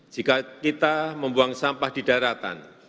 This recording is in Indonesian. jika kita membuang sampah di daratan